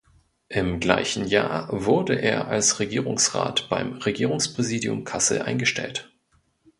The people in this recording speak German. Im gleichen Jahr wurde er als Regierungsrat beim Regierungspräsidium Kassel eingestellt.